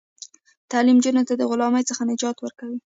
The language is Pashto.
تعلیم نجونو ته د غلامۍ څخه نجات ورکوي.